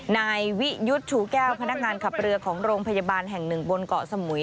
นายวิยุทธ์ชูแก้วพนักงานขับเรือของโรงพยาบาลแห่งหนึ่งบนเกาะสมุย